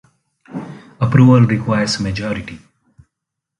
Approval requires majority.